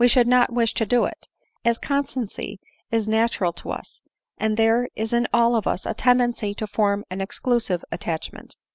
should not wish to do it, as constancy is natural to us, and there is in all of us a tendency to form an exclusive attachment.